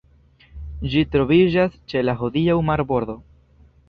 Ĝi troviĝas ĉe la hodiaŭa marbordo.